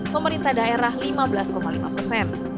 pemerintah daerah lima belas lima persen